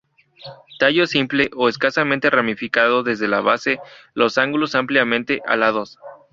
Tallo simple o escasamente ramificado desde la base, los ángulos ampliamente alados.